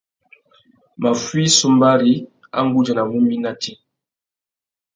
Maffuï sumbari, a nʼgudjanamú mi nà tsi.